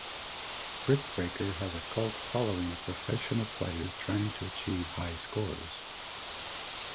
"Brick Breaker" has a cult following of professional players trying to achieve high scores.